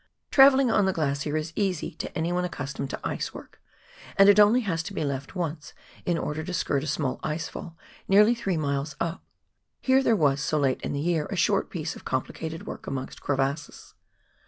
Travelling on the glacier is easy to anyone accustomed to ice work, and it only has to be left once, in order to skirt a small ice fall, nearly three miles up ; here there was, so late in the year, a short piece of complicated work amongst crevasses.